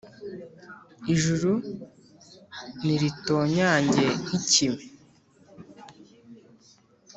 ijuru niritonyange nk’ikime,